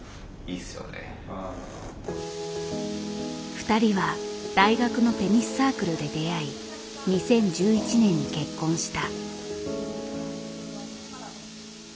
２人は大学のテニスサークルで出会い２０１１年に結婚した。